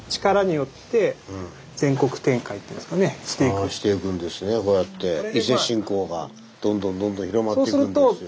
あぁしていくんですねこうやって伊勢信仰がどんどん広まっていくんですよ。